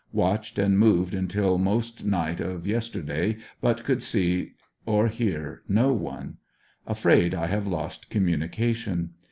Watched and moved until most night of yesterday but could see or hear no one. Afraid I have lost communication.